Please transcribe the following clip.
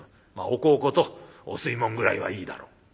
おこうことお吸い物ぐらいはいいだろう。